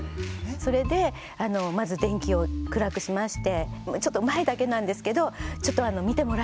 それでまず電気を暗くしましてちょっと前だけなんですけどちょっと見てもらいたいものがあると。